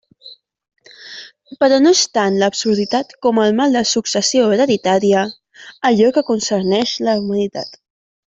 Però no és tant l'absurditat com el mal de la successió hereditària allò que concerneix la humanitat.